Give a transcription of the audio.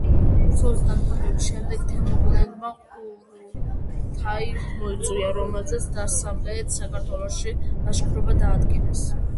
ბრძოლის დამთავრების შემდეგ თემურლენგმა ყურულთაი მოიწვია, რომელზედაც დასავლეთ საქართველოში ლაშქრობა დაადგინეს.